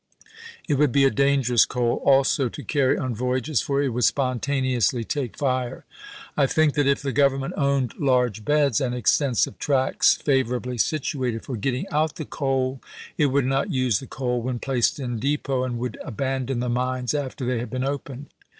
It would be a dangerous coal also to carry on voyages, for it would spontaneously take fire. .. I think that if the Grovernment owned large beds and extensive tracts favorably situated for getting out the coal, it would not use the coal when placed in depot, and would abandon the mines after they had been opened."